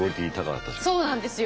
そうなんですよ。